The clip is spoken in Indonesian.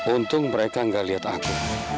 untung mereka nggak lihat aku